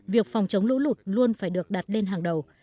việc phòng chống lũ lụt luôn phải được đặt lên hàng đầu